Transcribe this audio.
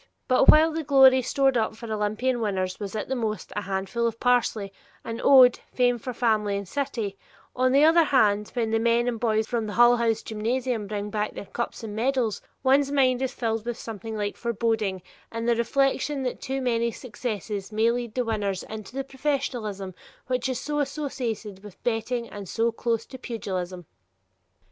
But while the glory stored up for Olympian winners was at the most a handful of parsley, an ode, fame for family and city, on the other hand, when the men and boys from the Hull House gymnasium bring back their cups and medals, one's mind is filled with something like foreboding in the reflection that too much success may lead the winners into the professionalism which is so associated with betting and so close to pugilism.